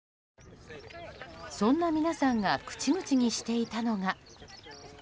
そんな皆さんが口々にしていたのが。